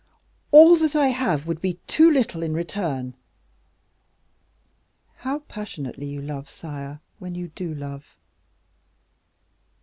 "All that I have would be too little in return." "How passionately you love, sire, when you do love!"